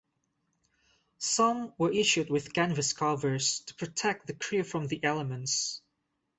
Some were issued with canvas covers to protect the crew from the elements.